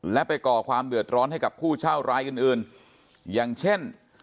และไปก่อความเดือดร้อนให้กับผู้เช่ารายอื่นอย่างเช่น